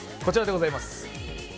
こちらでございます。